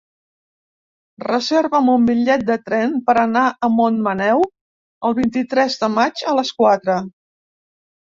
Reserva'm un bitllet de tren per anar a Montmaneu el vint-i-tres de maig a les quatre.